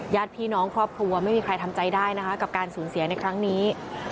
ญาติพี่น้องครอบครัวไม่มีใครทำใจได้นะคะกับการสูญเสียในครั้งนี้